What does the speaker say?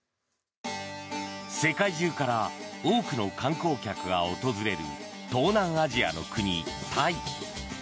世界中から多くの観光客が訪れる東南アジアの国、タイ。